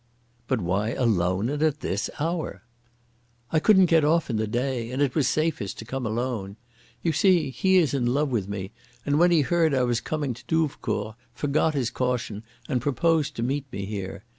"But why alone and at this hour?" "I couldn't get off in the day. And it was safest to come alone. You see he is in love with me, and when he heard I was coming to Douvecourt forgot his caution and proposed to meet me here.